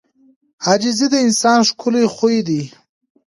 • عاجزي د انسان ښکلی خوی دی.